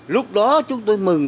lúc đó chúng tôi mừng